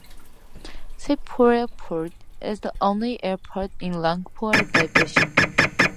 Saidpur Airport is the only airport in Rangpur Division.